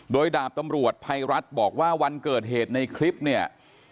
โดยดาบตำรวจภัยรัฐบอกว่าวันเกิดเหตุในคลิปเนี่ย